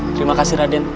terima kasih raden